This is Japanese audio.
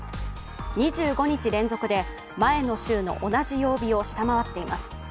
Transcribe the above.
２５日連続で、前の週の同じ曜日を下回っています。